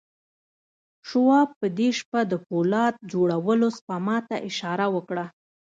شواب په دې شپه د پولاد جوړولو سپما ته اشاره وکړه